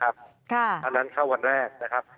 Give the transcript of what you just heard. อันนั้นเข้าวันแรกนะครับ